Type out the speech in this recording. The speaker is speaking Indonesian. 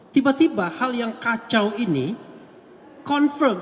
tiba tiba hal yang kacau ini confirm